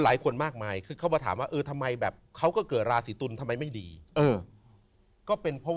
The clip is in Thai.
หลายคนมากมายคือเขามาถามว่าเออทำไมแบบเขาก็เกิดราศีตุลทำไมไม่ดีก็เป็นเพราะว่า